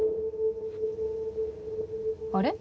あれ？